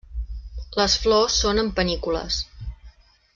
Les flors són en panícules.